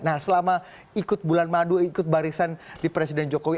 nah selama ikut bulan madu ikut barisan di presiden jokowi